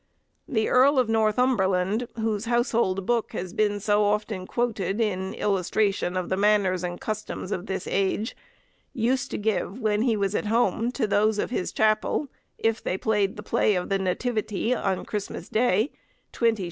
The Earl of Northumberland, whose household book has been so often quoted in illustration of the manners and customs of this age, used to give, when he was at home, to those of his chapel, if they played the play of the Nativity on Christmas Day, 20_s.